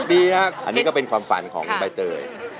ดีครับอันนี้ก็เป็นความฝันของใบเตย